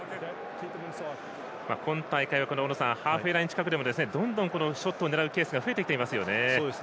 今大会はハーフウェーライン近くでもどんどんショットを狙うケースが増えていますよね。